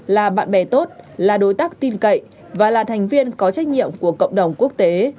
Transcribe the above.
là bạn bè tốt là đối tác tin cậy và là thành viên có trách nhiệm của cộng đồng quốc tế